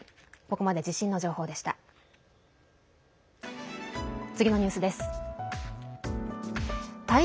ここまで地震の情報でした。